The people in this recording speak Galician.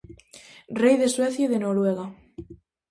Rei de Suecia e de Noruega.